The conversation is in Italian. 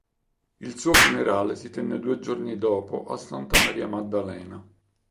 Il suo funerale si tenne due giorni dopo a Santa Maria Maddalena.